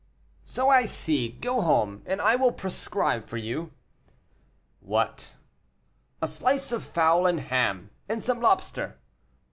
"So I see. Go home, and I will prescribe for you." "What?" "A slice of fowl and ham, and some lobster."